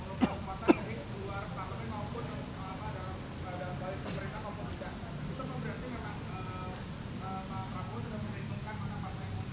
saya ingin mengucapkan bahwa apa kalau koalisi dari luar parlemen maupun dari balik ke kerajaan atau pekerjaan